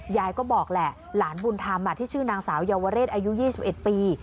ยายก็บอกแหละหลานบุญธรรมที่ชื่อนางสาวเยาวเรศอายุ๒๑ปี